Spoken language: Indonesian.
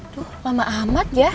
tuh lama amat ya